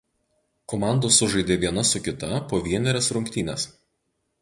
Komandos sužaidė viena su kita po vienerias rungtynes.